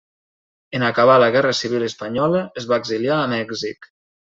En acabar la guerra civil espanyola es va exiliar a Mèxic.